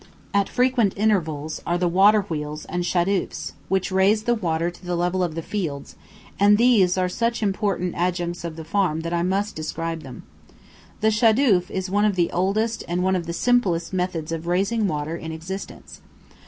" At frequent intervals are the water wheels and "shadūfs," which raise the water to the level of the fields, and these are such important adjuncts of the farm that I must describe them. The "shadūf" is one of the oldest and one of the simplest methods of raising water in existence.